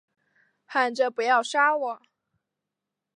喊着不要杀我